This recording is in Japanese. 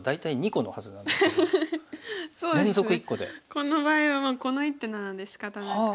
この場合はこの一手なのでしかたなく。